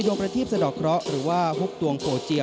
ดวงพลัทธิบสระกร้อหรือผุกตวงโขหลเจียว